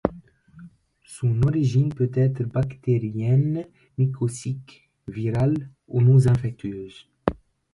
Son origine peut être bactérienne, mycosique, virale ou non-infectieuse.